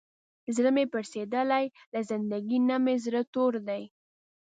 زړه مې پړسېدلی، له زندګۍ نه مې زړه تور دی.